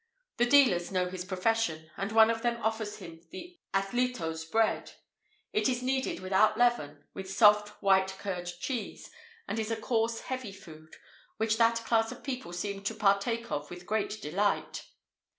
The dealers know his profession, and one of them offers him the athletæ's bread; it is kneaded, without leaven, with soft, white curd cheese, and is a coarse, heavy food, which that class of people seem to partake of with great delight.